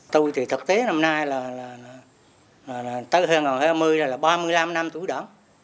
tôi thì thực tế năm nay là tới hai nghìn hai mươi là ba mươi năm năm tuổi đảng